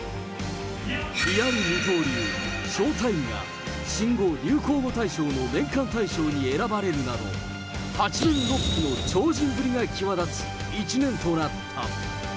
リアル二刀流／ショータイムが、新語・流行語大賞の年間大賞に選ばれるなど、超人ぶりが際立つ、一年となった。